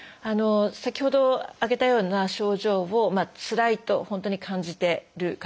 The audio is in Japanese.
先ほど挙げたような症状をつらいと本当に感じてる方。